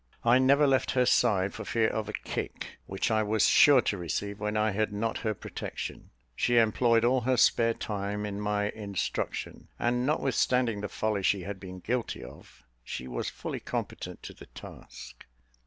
I never left her side for fear of a kick, which I was sure to receive when I had not her protection. She employed all her spare time in my instruction, and, notwithstanding the folly she had been guilty of, she was fully competent to the task.